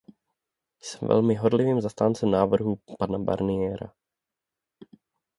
Jsem velmi horlivým zastáncem návrhů pana Barniera.